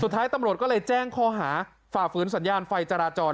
สุดท้ายตำรวจก็เลยแจ้งข้อหาฝ่าฝืนสัญญาณไฟจราจร